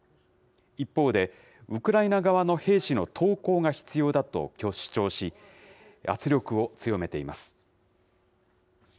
一方で、ウクライナ側の兵士の投降が必要だと主張し、圧力を強めています。